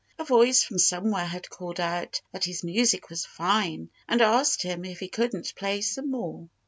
A voice from somewhere had called out that his music was fine and asked him if he wouldn't play some more.